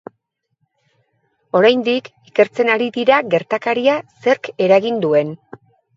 Oraindik ikertzen ari dira gertakaria zerk eragin duen.